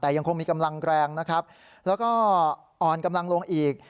แต่ยังคงมีกำลังแรงนะครับแล้วก็อ่อนกำลังลงอีก